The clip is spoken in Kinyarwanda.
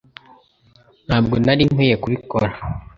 Ntabwo nari nkwiye kubikora.